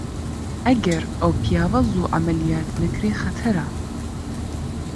ئەگەر ئەو پیاوە زوو عەمەلیات نەکرێ خەتەرە!